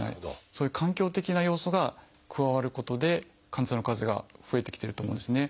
そういう環境的な要素が加わることで患者さんの数が増えてきてると思うんですね。